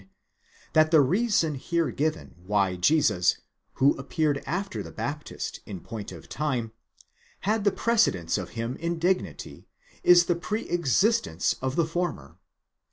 aduiaine'; that the reason here given why Jesus, who appeared after the Baptist in point of time, had the precedence of him in dignity, is the pre existence of the former.